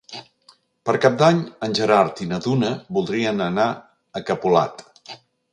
Per Cap d'Any en Gerard i na Duna voldrien anar a Capolat.